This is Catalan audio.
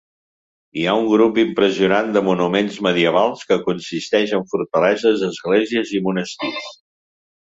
Hi ha un grup impressionant de monuments medievals que consisteix en fortaleses, esglésies i monestirs.